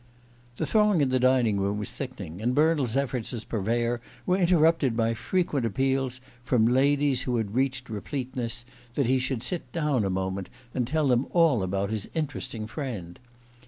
The throng in the dining room was thickening, and Bernald's efforts as purveyor were interrupted by frequent appeals, from ladies who had reached repleteness, that he should sit down a moment and tell them all about his interesting friend.